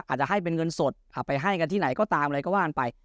อาจจะให้เป็นเงินสดไปให้กันที่ไหนก็ตามอะไรก็ว่ากันไป